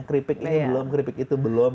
keripik ini belum keripik itu belum